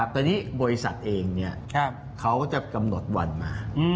ตอนนี้บริษัทเองเขาจะกำหนดวันมา